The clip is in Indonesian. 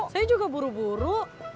saya juga buru buru